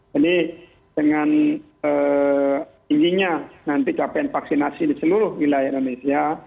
jadi dengan inginnya nanti capaian vaksinasi di seluruh wilayah indonesia